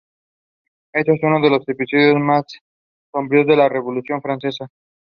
The seats are crafted with Alcantara and leather.